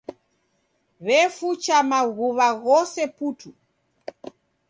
W'efucha maghuwa ghose putu.